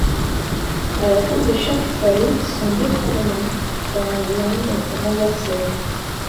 À la fin de chaque feuille sont deux fourneaux, dont l’un est renversé.